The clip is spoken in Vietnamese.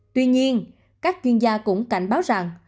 tuy nhiên các chuyên gia cũng cảnh báo rằng